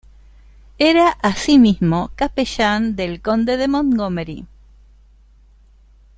Era, así mismo, capellán del conde de Montgomery.